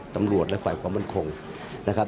ตำรวจและฝ่ายความมั่นคงนะครับ